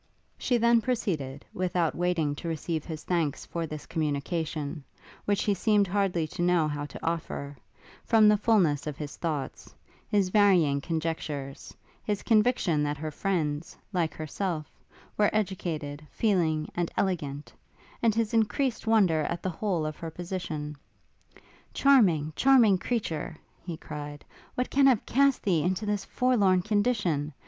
She then proceeded, without waiting to receive his thanks for this communication; which he seemed hardly to know how to offer, from the fulness of his thoughts, his varying conjectures, his conviction that her friends, like herself, were educated, feeling, and elegant; and his increased wonder at the whole of her position. Charming, charming creature! he cried, what can have cast thee into this forlorn condition?